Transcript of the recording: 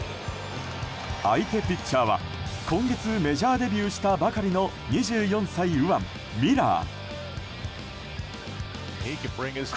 相手ピッチャーは今月メジャーデビューしたばかりの２４歳右腕、ミラー。